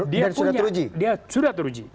dan sudah teruji